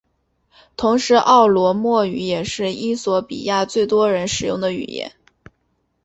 同时奥罗莫语也是衣索比亚最多人使用的语言。